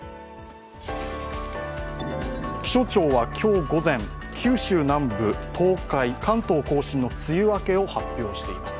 気象庁は今日午前、九州南部、東海、関東甲信の梅雨明けを発表しています。